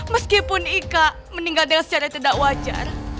meskipun ika meninggal dengan secara tidak wajar